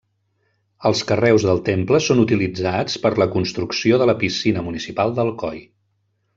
Els carreus del temple són utilitzats per a la construcció de la piscina municipal d'Alcoi.